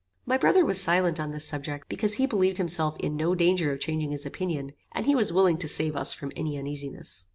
My brother was silent on this subject, because he believed himself in no danger of changing his opinion, and he was willing to save us from any uneasiness.